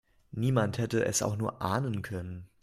Niemand hätte es auch nur ahnen können.